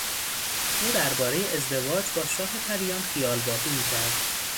او دربارهی ازدواج با شاه پریان خیالبافی میکرد.